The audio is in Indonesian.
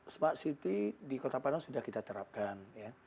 smart city di kota padang sudah kita terapkan